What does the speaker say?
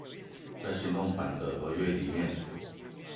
在行動版的合約裡面